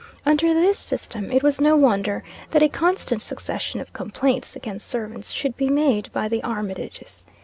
Under this system, it was no wonder that a constant succession of complaints against servants should be made by the Armitages.